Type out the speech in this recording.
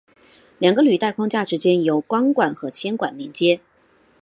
两个履带框架之间由钢管和铅管连接。